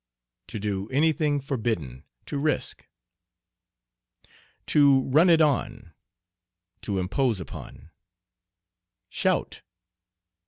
To do any thing forbidden. To risk. "To run it on." To impose upon. "Shout."